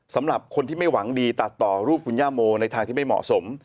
สำหรับคนที่ไม่หวังดีตัดต่อรูปคุณย่าโมในทางที่ไม่เหมาะสม